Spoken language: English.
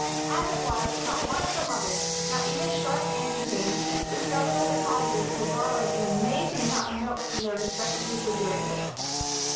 As it was, not one of the mothers, not even sharp Aunty Jane, discovered that the Cottagers were borrowing an amazing amount of milk from their respective refrigerators.